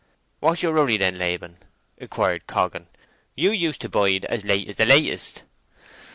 "What's yer hurry then, Laban?" inquired Coggan. "You used to bide as late as the latest."